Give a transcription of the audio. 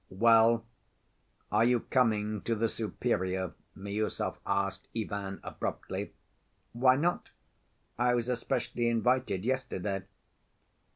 "Well, are you coming to the Superior?" Miüsov asked Ivan abruptly. "Why not? I was especially invited yesterday."